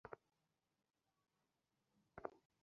পৃথিবীতে আরো বাবা আছে!